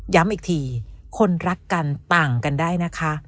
ย้ำอีกทีคนรักกันต่างกันได้นะคะ